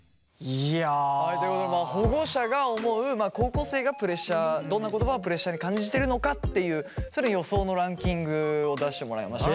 はいということで保護者が思う高校生がプレッシャーどんな言葉をプレッシャーに感じているのかっていう予想のランキングを出してもらいました。